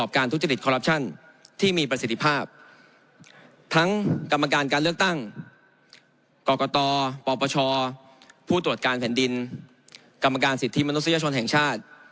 การแผ่นดินกรรมการสิทธิ์มนุษยชนแห่งชาติ